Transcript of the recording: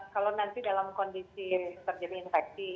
kalau nanti dalam kondisi terjadi infeksi